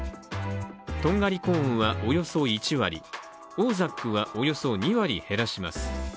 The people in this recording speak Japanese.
とんがりコーンはおよそ１割オー・ザックはおよそ２割減らします。